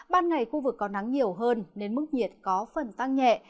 ban ngày khu vực có nắng nhiều hơn nên mức nhiệt có phần tăng nhẹ